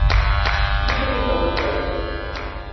Yella kra i iṭṭreḍqen.